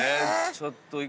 ちょっと。